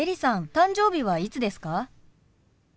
誕生日はいつですか？